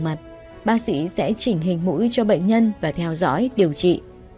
mặt bác sĩ sẽ chỉnh hình mũi cho bệnh nhân và theo dõi điều trị